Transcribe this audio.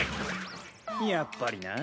やっぱりな。